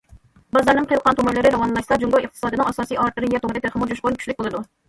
بازارنىڭ قىل قان تومۇرلىرى راۋانلاشسا، جۇڭگو ئىقتىسادىنىڭ ئاساسىي ئارتېرىيە تومۇرى تېخىمۇ جۇشقۇن، كۈچلۈك بولىدۇ.